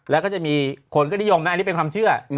แล้วก็จะมีคนก็นิยมนะอันนี้เป็นความเชื่อ